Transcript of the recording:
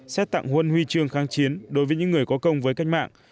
xét tặng huân huy trương kháng chiến đối với những người có công với cách mạng